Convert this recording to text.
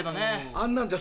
あんなんじゃ。